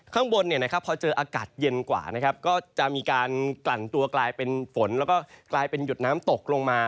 ข้างบนพอเจออากาศเย็นกว่านะครับก็จะมีการกลั่นตัวกลายเป็นฝนแล้วก็กลายเป็นหยดน้ำตกลงมา